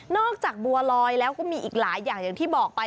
จากบัวลอยแล้วก็มีอีกหลายอย่างอย่างที่บอกไป